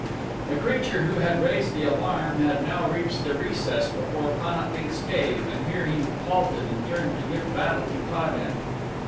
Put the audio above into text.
The creature who had raised the alarm had now reached the recess before Pan at lee's cave and here he halted and turned to give battle to Ta den.